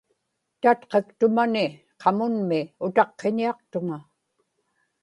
tatqaktumani qamunmi utaqqiñiaqtuŋa